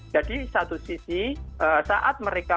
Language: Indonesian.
jadi satu sisi saat mereka